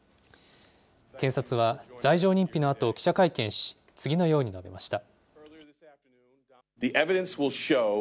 検察は罪状認否のあと記者会見し、次のように述べました。